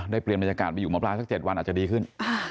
เปลี่ยนบรรยากาศไปอยู่หมอปลาสัก๗วันอาจจะดีขึ้น